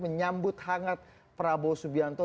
menyambut hangat prabowo subianto